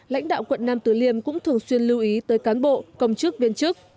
lãnh đạo quận nam tử liêm cũng thường xuyên lưu ý tới cán bộ công chức viên chức